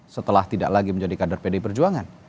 setelah tidak lagi menjadi kader pdi perjuangan